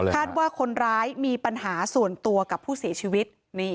ว่าคนร้ายมีปัญหาส่วนตัวกับผู้เสียชีวิต